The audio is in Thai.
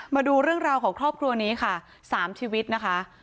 มาดูเรื่องราวของครอบครัวนี้ค่ะ๓ชีวิตนะคะ